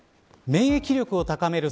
免疫力を高める